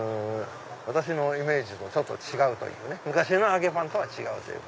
私のイメージとちょっと違う昔の揚げパンとは違うという。